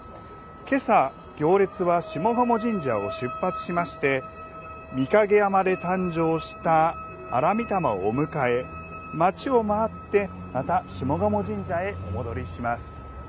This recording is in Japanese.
今朝、行列は下鴨神社を出発しまして御蔭山で誕生した荒御霊をお迎えし町を回ってまた下鴨神社へお戻りします。